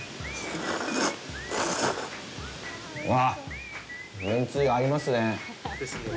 うわあ、めんつゆ、合いますね。